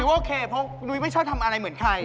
โอเคเพราะนุ้ยไม่ชอบทำอะไรเหมือนใคร